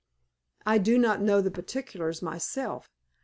I do not know the particulars myself.